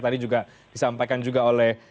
tadi juga disampaikan juga oleh